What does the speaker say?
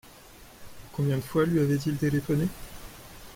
Combien de fois lui avaient-ils téléphoné ?